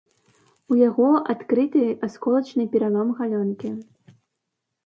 У яго адкрыты асколачны пералом галёнкі.